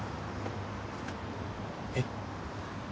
えっ？